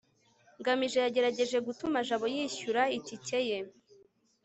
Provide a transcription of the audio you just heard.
ngamije yagerageje gutuma jabo yishyura itike ye